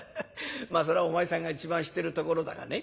まあそらお前さんが一番知ってるところだがね。